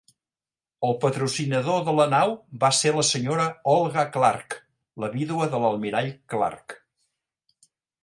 El patrocinador de la nau va ser la Sra. Olga Clark, la vídua de l'Almirall Clark.